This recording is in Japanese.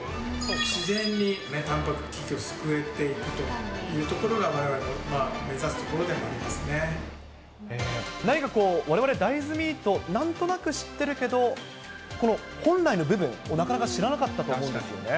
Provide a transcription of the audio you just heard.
自然にたんぱく質危機を救っていくというところがわれわれの目指何かわれわれ、大豆ミート、なんとなく知ってるけど、本来の部分をなかなか知らなかったと思うんですよね。